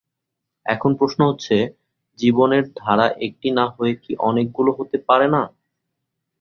এখন প্রশ্ন হচ্ছে, জীবনের ধারা একটি না হয়ে কি অনেকগুলো হতে পারে না?